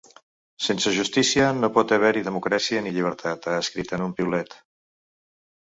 Sense justícia no pot haver-hi democràcia ni llibertat, ha escrit en un piulet.